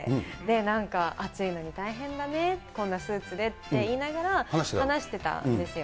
なんか、暑いのに大変だね、こんなスーツでって言いながら、話したんですよ。